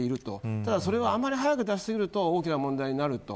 ただ、あんまり早く出しすぎると大きな問題になると。